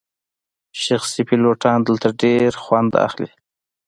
شخصي پیلوټان دلته ډیر خوند اخلي